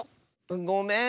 ごめん！